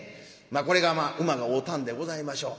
これがまあ馬が合うたんでございましょう。